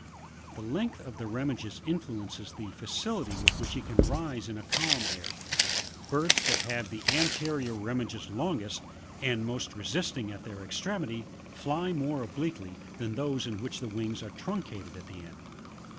The length of the remiges influences the feicility with which he can rise in a calm air ; birds that have the anterior remiges longest, and most resisting at their extremity, fly more obliquely, than those in which the wings are truncated at the end.